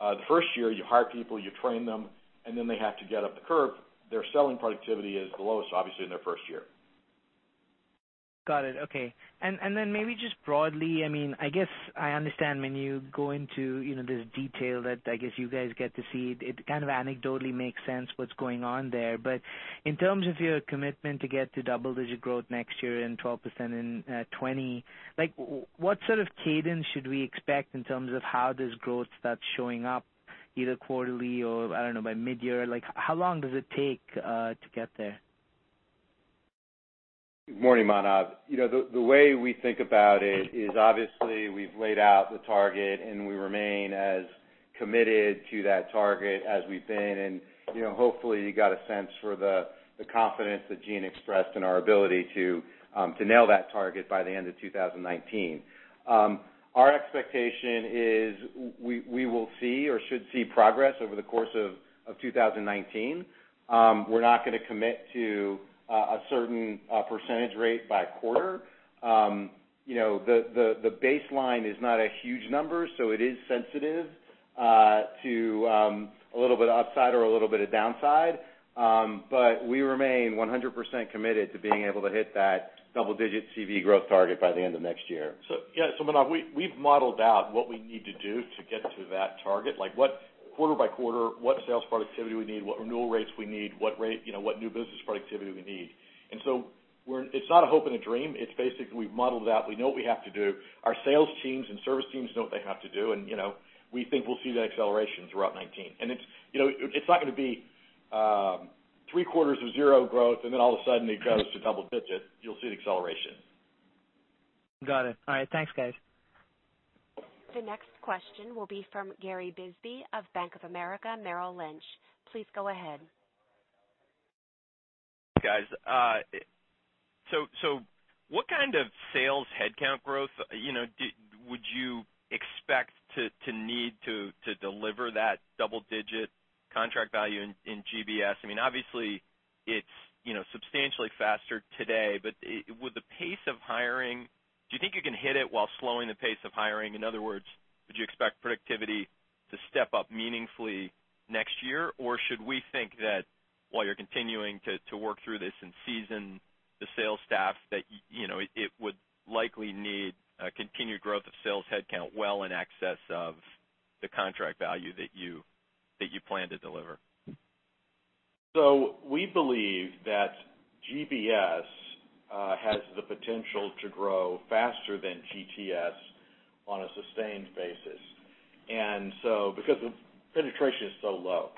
the first year, you hire people, you train them, then they have to get up the curve. Their selling productivity is the lowest, obviously, in their first year. Got it. Okay. Maybe just broadly, I guess I understand when you go into this detail that I guess you guys get to see, it kind of anecdotally makes sense what's going on there. In terms of your commitment to get to double-digit growth next year and 12% in 2020, what sort of cadence should we expect in terms of how this growth starts showing up, either quarterly or, I don't know, by mid-year? How long does it take to get there? Good morning, Manav. The way we think about it is obviously we've laid out the target, we remain as committed to that target as we've been, hopefully you got a sense for the confidence that Gene expressed in our ability to nail that target by the end of 2019. Our expectation is we will see or should see progress over the course of 2019. We're not going to commit to a certain percentage rate by quarter. The baseline is not a huge number, it is sensitive to a little bit upside or a little bit of downside. We remain 100% committed to being able to hit that double-digit CV growth target by the end of next year. Yeah, Manav, we've modeled out what we need to do to get to that target, like quarter by quarter, what sales productivity we need, what renewal rates we need, what new business productivity we need. It's not a hope and a dream. It's basically we've modeled it out. We know what we have to do. Our sales teams and service teams know what they have to do, and we think we'll see that acceleration throughout 2019. It's not going to be 3 quarters of 0 growth and then all of a sudden it goes to double digits. You'll see the acceleration. Got it. All right. Thanks, guys. The next question will be from Gary Bisbee of Bank of America Merrill Lynch. Please go ahead. Guys, what kind of sales headcount growth would you expect to need to deliver that double-digit contract value in GBS? Obviously, it's substantially faster today, but with the pace of hiring, do you think you can hit it while slowing the pace of hiring? In other words, would you expect productivity to step up meaningfully next year? Or should we think that while you're continuing to work through this and season the sales staff, that it would likely need a continued growth of sales headcount well in excess of the contract value that you plan to deliver? We believe that GBS has the potential to grow faster than GTS on a sustained basis. Because the penetration is so low,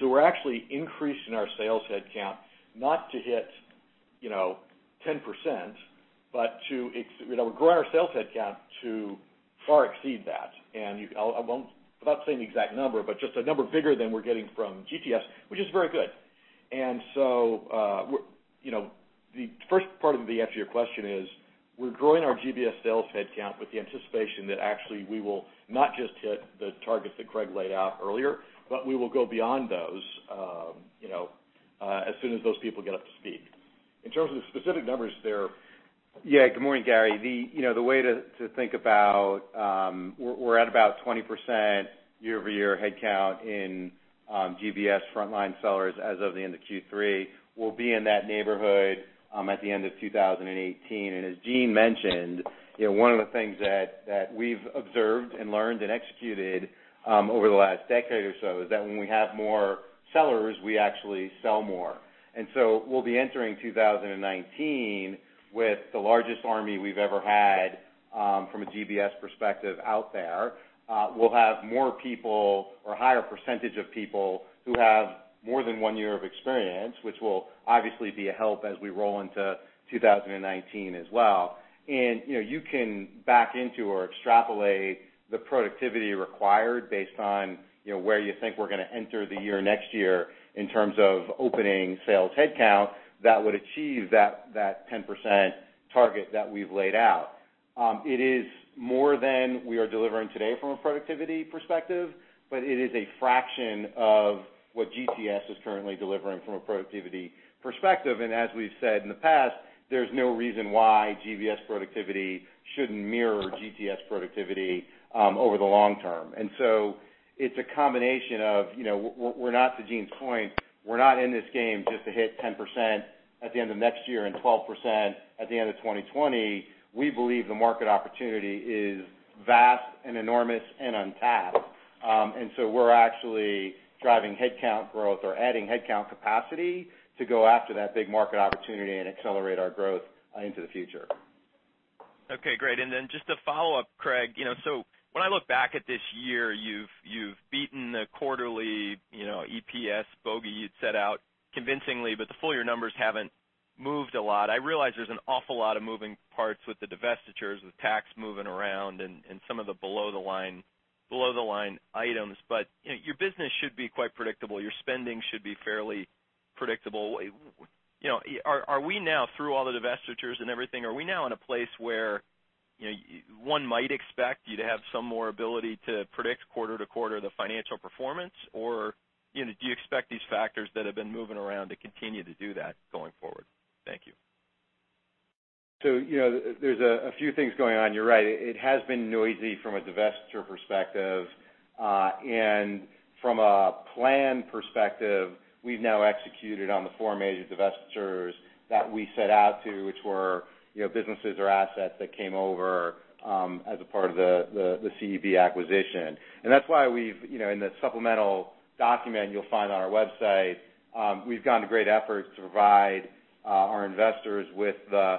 we're actually increasing our sales headcount not to hit 10%, but we're growing our sales headcount to far exceed that. I'm not saying the exact number, but just a number bigger than we're getting from GTS, which is very good. The first part of the answer to your question is we're growing our GBS sales headcount with the anticipation that actually we will not just hit the targets that Craig laid out earlier, but we will go beyond those as soon as those people get up to speed. In terms of the specific numbers there- Yeah. Good morning, Gary. The way to think about, we're at about 20% year-over-year headcount in GBS frontline sellers as of the end of Q3. We'll be in that neighborhood at the end of 2018. As Gene mentioned, one of the things that we've observed and learned and executed over the last decade or so is that when we have more sellers, we actually sell more. We'll be entering 2019 with the largest army we've ever had from a GBS perspective out there. We'll have more people or a higher percentage of people who have more than one year of experience, which will obviously be a help as we roll into 2019 as well. You can back into or extrapolate the productivity required based on where you think we're going to enter the year next year in terms of opening sales headcount that would achieve that 10% target that we've laid out. It is more than we are delivering today from a productivity perspective, but it is a fraction of what GTS is currently delivering from a productivity perspective. As we've said in the past, there's no reason why GBS productivity shouldn't mirror GTS productivity over the long term. It's a combination of, to Gene's point, we're not in this game just to hit 10% at the end of next year and 12% at the end of 2020. We believe the market opportunity is vast and enormous and untapped. We're actually driving headcount growth or adding headcount capacity to go after that big market opportunity and accelerate our growth into the future. Okay, great. Just a follow-up, Craig. When I look back at this year, you've beaten the quarterly EPS bogey you'd set out convincingly, but the full-year numbers haven't moved a lot. I realize there's an awful lot of moving parts with the divestitures, with tax moving around and some of the below the line items. Your business should be quite predictable. Your spending should be fairly predictable. Through all the divestitures and everything, are we now in a place where one might expect you to have some more ability to predict quarter to quarter the financial performance? Do you expect these factors that have been moving around to continue to do that going forward? Thank you. There's a few things going on. You're right. It has been noisy from a divestiture perspective. From a plan perspective, we've now executed on the four major divestitures that we set out to, which were businesses or assets that came over as a part of the CEB acquisition. That's why in the supplemental document you'll find on our website, we've gone to great efforts to provide our investors with the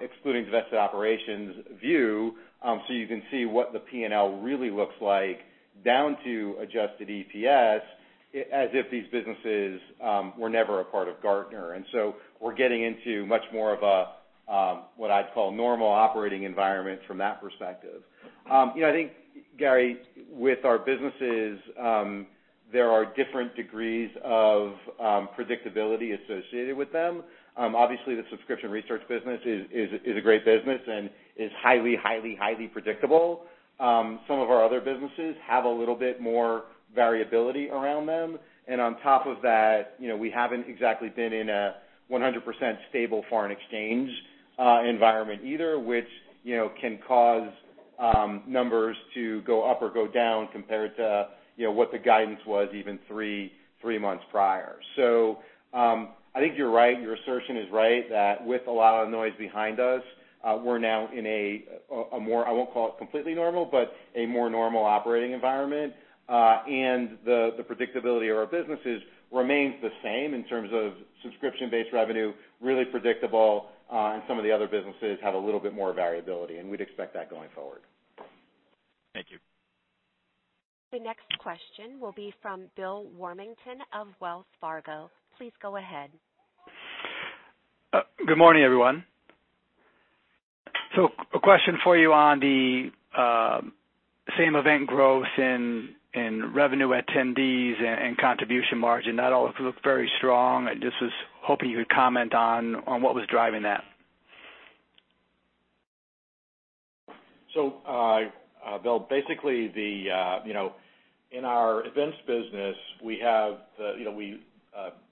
excluding divested operations view, so you can see what the P&L really looks like down to adjusted EPS, as if these businesses were never a part of Gartner. We're getting into much more of a, what I'd call normal operating environment from that perspective. I think, Gary, with our businesses, there are different degrees of predictability associated with them. Obviously, the subscription research business is a great business and is highly predictable. Some of our other businesses have a little bit more variability around them. On top of that, we haven't exactly been in a 100% stable foreign exchange environment either, which can cause numbers to go up or go down compared to what the guidance was even three months prior. I think you're right. Your assertion is right, that with a lot of noise behind us, we're now in a more, I won't call it completely normal, but a more normal operating environment. The predictability of our businesses remains the same in terms of subscription-based revenue, really predictable, and some of the other businesses have a little bit more variability, and we'd expect that going forward. Thank you. The next question will be from Bill Warmington of Wells Fargo. Please go ahead. Good morning, everyone. A question for you on the same event growth in revenue attendees and contribution margin. That all looked very strong. I just was hoping you could comment on what was driving that. Bill, basically in our events business, we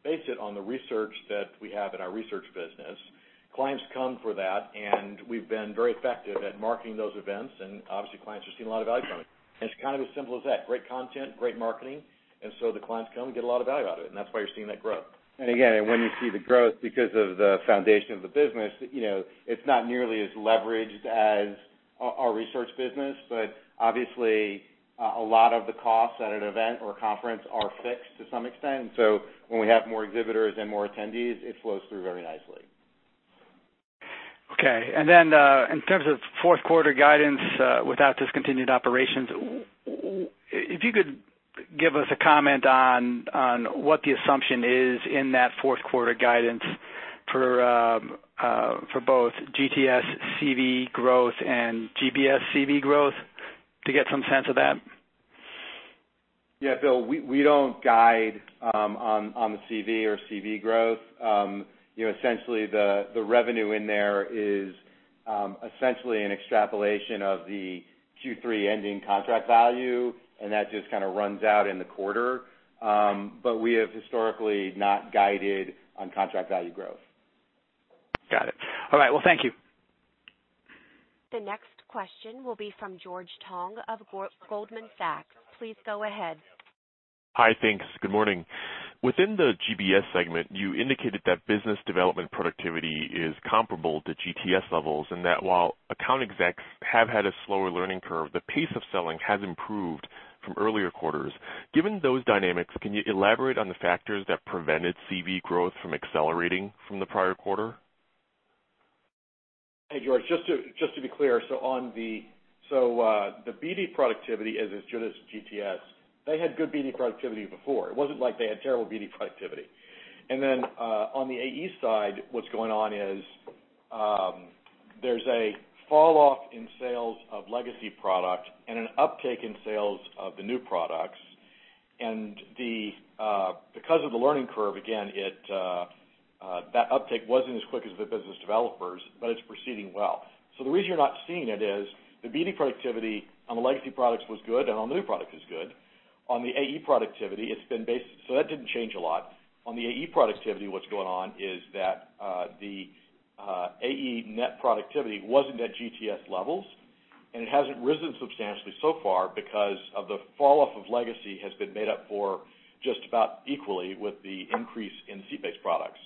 base it on the research that we have in our research business. Clients come for that, and we've been very effective at marketing those events, and obviously clients are seeing a lot of value from it. It's kind of as simple as that. Great content, great marketing. The clients come and get a lot of value out of it, and that's why you're seeing that growth. Again, when you see the growth because of the foundation of the business, it's not nearly as leveraged as our research business. Obviously, a lot of the costs at an event or conference are fixed to some extent. When we have more exhibitors and more attendees, it flows through very nicely. Okay. In terms of fourth quarter guidance without discontinued operations, if you could give us a comment on what the assumption is in that fourth quarter guidance for both GTS CV growth and GBS CV growth to get some sense of that. Yeah, Bill, we don't guide on the CV or CV growth. The revenue in there is essentially an extrapolation of the Q3 ending contract value, and that just kind of runs out in the quarter. We have historically not guided on contract value growth. Got it. All right. Well, thank you. The next question will be from George Tong of Goldman Sachs. Please go ahead. Hi, thanks. Good morning. Within the GBS segment, you indicated that business development productivity is comparable to GTS levels, and that while account execs have had a slower learning curve, the pace of selling has improved from earlier quarters. Given those dynamics, can you elaborate on the factors that prevented CV growth from accelerating from the prior quarter? Hey, George. Just to be clear, the BD productivity is as good as GTS. They had good BD productivity before. It wasn't like they had terrible BD productivity. On the AE side, what's going on is there's a fall off in sales of legacy product and an uptake in sales of the new products. Because of the learning curve, again, that uptake wasn't as quick as the business developers, but it's proceeding well. The reason you're not seeing it is the BD productivity on the legacy products was good, and on the new product is good. On the AE productivity, that didn't change a lot. On the AE productivity, what's going on is that the AE net productivity wasn't at GTS levels, and it hasn't risen substantially so far because of the falloff of legacy has been made up for just about equally with the increase in seat-based products.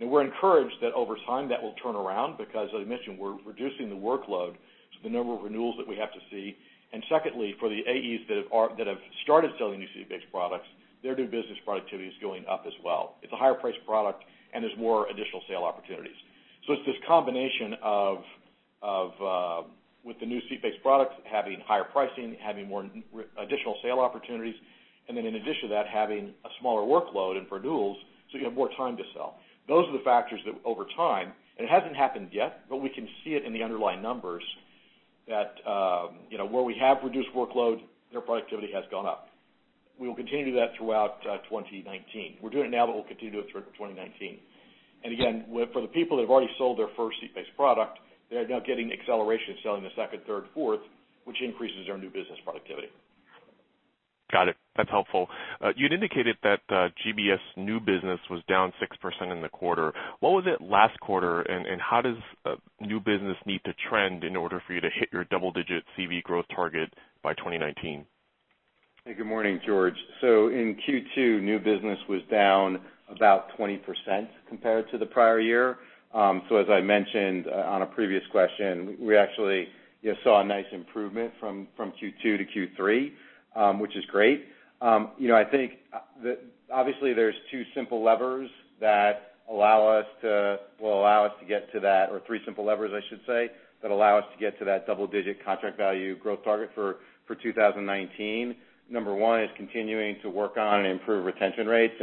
We're encouraged that over time, that will turn around because, as I mentioned, we're reducing the workload, so the number of renewals that we have to see. Secondly, for the AEs that have started selling these seat-based products, their new business productivity is going up as well. It's a higher priced product, and there's more additional sale opportunities. It's this combination of, with the new seat-based products, having higher pricing, having more additional sale opportunities. In addition to that, having a smaller workload and renewals, so you have more time to sell. Those are the factors that over time, and it hasn't happened yet, but we can see it in the underlying numbers, that where we have reduced workload, their productivity has gone up. We will continue to do that throughout 2019. We're doing it now, we'll continue to do it through 2019. Again, for the people that have already sold their first seat-based product, they are now getting acceleration selling the second, third, fourth, which increases their new business productivity. Got it. That's helpful. You'd indicated that GBS new business was down 6% in the quarter. What was it last quarter, and how does new business need to trend in order for you to hit your double-digit CV growth target by 2019? Hey, good morning, George. In Q2, new business was down about 20% compared to the prior year. As I mentioned on a previous question, we actually saw a nice improvement from Q2 to Q3, which is great. I think, obviously, there's two simple levers that will allow us to get to that, or three simple levers I should say, that allow us to get to that double-digit contract value growth target for 2019. Number one is continuing to work on and improve retention rates.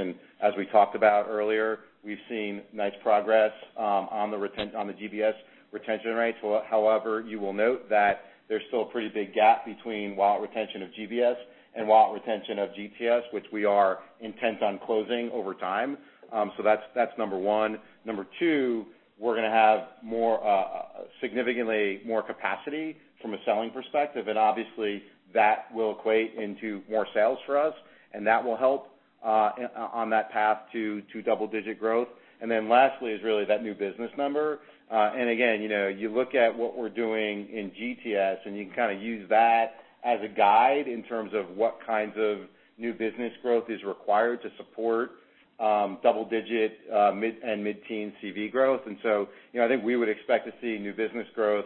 As we talked about earlier, we've seen nice progress on the GBS retention rates. However, you will note that there's still a pretty big gap between wallet retention of GBS and wallet retention of GTS, which we are intent on closing over time. That's number one. Number two, we're going to have significantly more capacity from a selling perspective, and obviously, that will equate into more sales for us, and that will help on that path to double-digit growth. Lastly is really that new business number. Again, you look at what we're doing in GTS, and you can kind of use that as a guide in terms of what kinds of new business growth is required to support double-digit and mid-teen CV growth. I think we would expect to see new business growth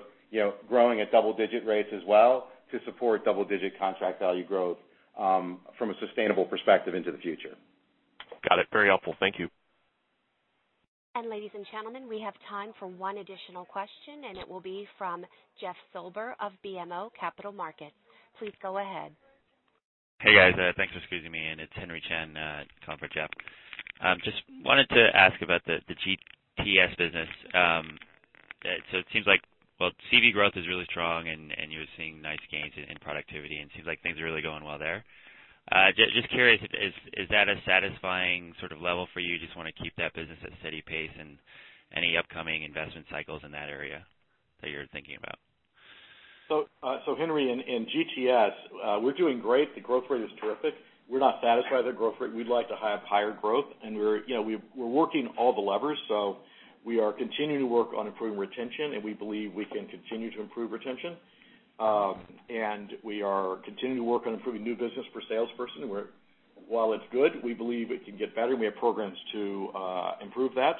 growing at double-digit rates as well to support double-digit contract value growth from a sustainable perspective into the future. Got it. Very helpful. Thank you. Ladies and gentlemen, we have time for one additional question, and it will be from Jeff Silber of BMO Capital Markets. Please go ahead. Hey, guys. Thanks for squeezing me in. It's Henry Chen, covering for Jeff. Just wanted to ask about the GTS business. It seems like, well, CV growth is really strong, and you're seeing nice gains in productivity, and it seems like things are really going well there. Just curious, is that a satisfying sort of level for you? Do you just want to keep that business at a steady pace and any upcoming investment cycles in that area that you're thinking about? Henry, in GTS, we're doing great. The growth rate is terrific. We're not satisfied with the growth rate. We'd like to have higher growth, and we're working all the levers. We are continuing to work on improving retention, and we believe we can continue to improve retention. We are continuing to work on improving new business per salesperson. While it's good, we believe it can get better, and we have programs to improve that.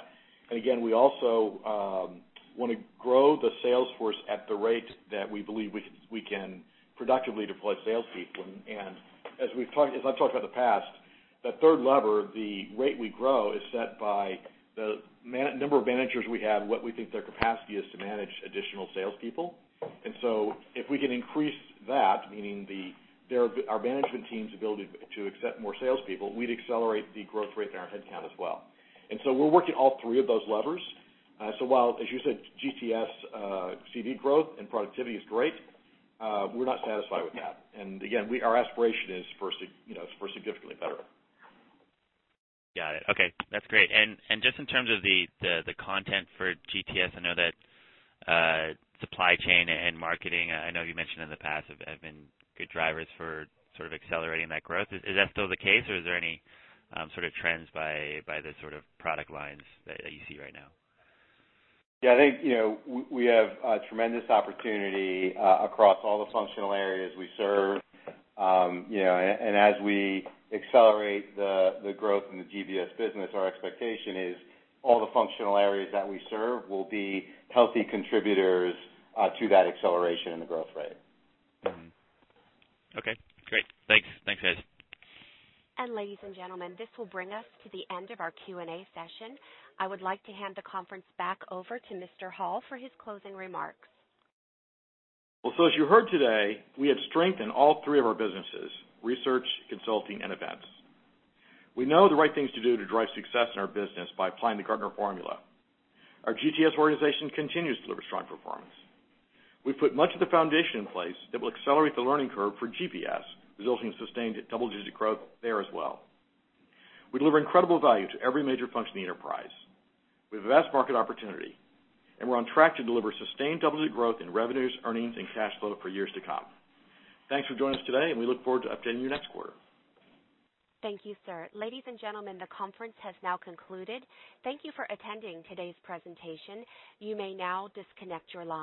Again, we also want to grow the sales force at the rate that we believe we can productively deploy salespeople. As I've talked about in the past, the third lever, the rate we grow, is set by the number of managers we have and what we think their capacity is to manage additional salespeople. If we can increase that, meaning our management team's ability to accept more salespeople, we'd accelerate the growth rate in our headcount as well. We're working all three of those levers. While, as you said, GTS CV growth and productivity is great, we're not satisfied with that. Again, our aspiration is for significantly better. Got it. Okay, that's great. Just in terms of the content for GTS, I know that supply chain and marketing, I know you mentioned in the past, have been good drivers for sort of accelerating that growth. Is that still the case, or is there any sort of trends by the sort of product lines that you see right now? Yeah, I think we have a tremendous opportunity across all the functional areas we serve. As we accelerate the growth in the GBS business, our expectation is all the functional areas that we serve will be healthy contributors to that acceleration in the growth rate. Okay, great. Thanks. Thanks, guys. Ladies and gentlemen, this will bring us to the end of our Q&A session. I would like to hand the conference back over to Mr. Hall for his closing remarks. As you heard today, we have strength in all three of our businesses, research, consulting, and events. We know the right things to do to drive success in our business by applying the Gartner Formula. Our GTS organization continues to deliver strong performance. We've put much of the foundation in place that will accelerate the learning curve for GTS, resulting in sustained double-digit growth there as well. We deliver incredible value to every major function in the enterprise. We have a vast market opportunity, and we're on track to deliver sustained double-digit growth in revenues, earnings, and cash flow for years to come. Thanks for joining us today, and we look forward to updating you next quarter. Thank you, sir. Ladies and gentlemen, the conference has now concluded. Thank you for attending today's presentation. You may now disconnect your line